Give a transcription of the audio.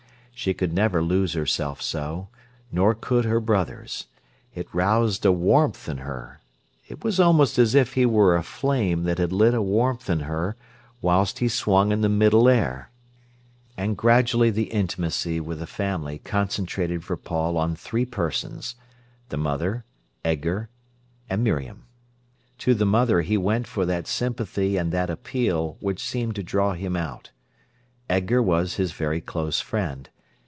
She could never lose herself so, nor could her brothers. It roused a warmth in her. It was almost as if he were a flame that had lit a warmth in her whilst he swung in the middle air. And gradually the intimacy with the family concentrated for Paul on three persons—the mother, Edgar, and Miriam. To the mother he went for that sympathy and that appeal which seemed to draw him out. Edgar was his very close friend.